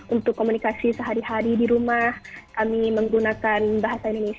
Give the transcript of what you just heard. untuk komunikasi sehari hari di rumah kami menggunakan bahasa indonesia